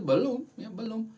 belum ya belum